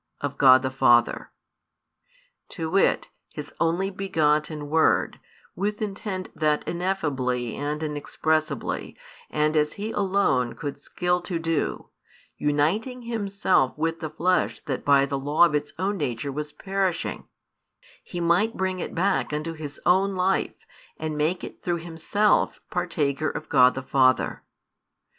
of God the Father to wit, His Only begotten Word, with intent that ineffably and inexpressibly and as He alone could skill to do, uniting Himself with the flesh that by the law of its own nature was perishing, He might bring it back unto His own Life and make it through Himself partaker of God the Father.